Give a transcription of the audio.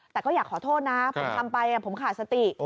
แต่ก็อยากขอโทษนะผมทำไปผมขาดสติ